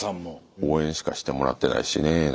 応援しかしてもらってないしねなんか。